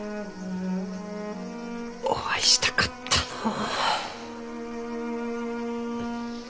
お会いしたかったのう。